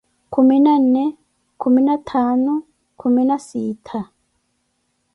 Kumi na nne, kumi na ttaanu, kumi na sittha.